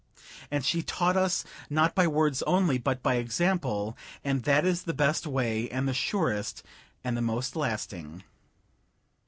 And she taught us not by words only, but by example, and that is the best way and the surest and the most lasting.